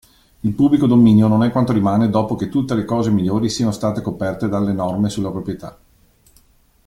Il pubblico dominio non è quanto rimane dopo che tutte le cose migliori siano state coperte dalle norme sulla proprietà.